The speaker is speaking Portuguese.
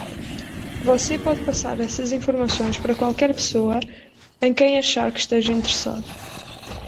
Você pode passar essas informações para qualquer pessoa em quem achar que esteja interessado.